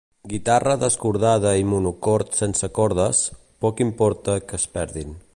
Guitarra descordada i monocord sense cordes, poc importa que es perdin.